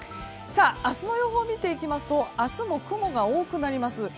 明日の予報を見ていきますと明日も雲が多くなります。